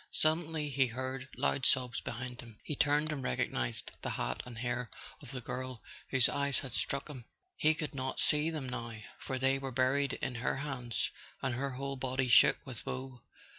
Suddenly he heard loud sobs behind him. He turned, [ 96 ] A SON AT THE FRONT and recognized the hat and hair of the girl whose eyes had struck him. He could not see them now, for they were buried in her hands and her whole body shook with woe.